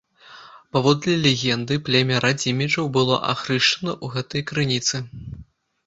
Паводле легенды племя радзімічаў было ахрышчана ў гэтай крыніцы.